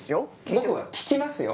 僕は聞きますよ？